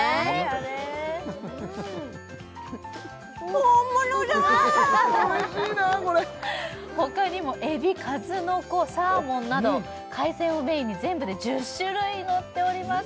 おいしいねこれ他にもエビ数の子サーモンなど海鮮をメインに全部で１０種類のっております